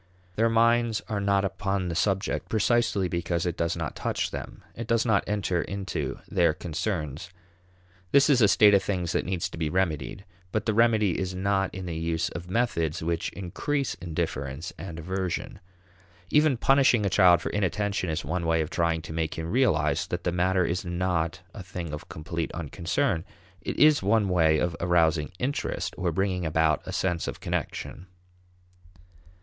Their minds are not upon the subject precisely because it does not touch them; it does not enter into their concerns. This is a state of things that needs to be remedied, but the remedy is not in the use of methods which increase indifference and aversion. Even punishing a child for inattention is one way of trying to make him realize that the matter is not a thing of complete unconcern; it is one way of arousing "interest," or bringing about a sense of connection.